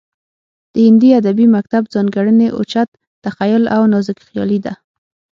د هندي ادبي مکتب ځانګړنې اوچت تخیل او نازکخیالي ده